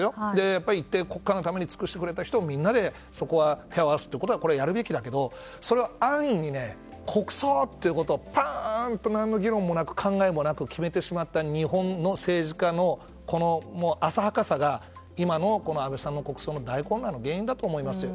やっぱり、一定国家のために尽くしてくれた人にみんなで手を合わせることはやるべきだけど、安易に国葬っていうことをパーンと何の議論もなく考えもなく、決めてしまった日本の政治家の浅はかさが今の安倍さんの国葬の大混乱の原因だと思いますよ。